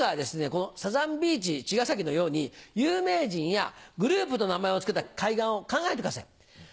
この「サザンビーチちがさき」のように有名人やグループの名前を付けた海岸を考えてください。